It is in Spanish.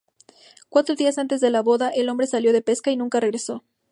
Cuatro días antes de la boda, el hombre salió de pesca y nunca regresó.